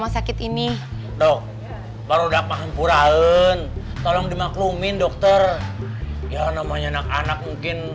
rumah sakit ini dok baru dapat pura tolong dimaklumin dokter ya namanya anak anak mungkin